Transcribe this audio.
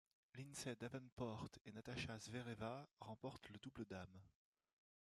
Lindsay Davenport et Natasha Zvereva remportent le double dames.